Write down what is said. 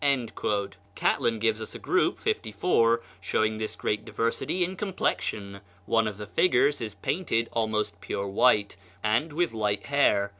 Catlin gives a group (54) showing this great diversity in complexion: one of the figures is painted almost pure white, and with light hair.